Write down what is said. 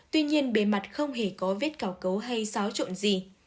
tuy nhiên bề mặt không hề có vết cào cấu hay xáo trộn gì